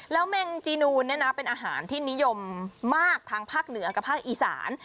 แล้วแมงจีนูนเนี่ยนะเป็นอาหารที่นิยมมากทางภาคเหนือกับภาคอีสาน